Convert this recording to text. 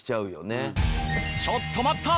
ちょっと待った！